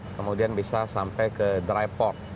kemudian bisa sampai ke dry port